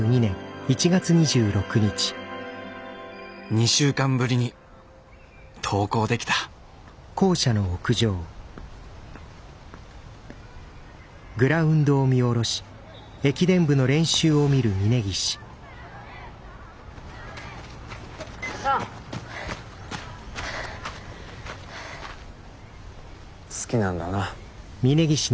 ２週間ぶりに登校できた好きなんだな。